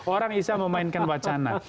orang bisa memainkan wacana